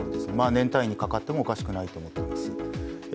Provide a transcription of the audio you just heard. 年単位かかってもおかしくないところです。